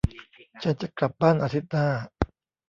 ฉันจะกลับบ้านอาทิตย์หน้า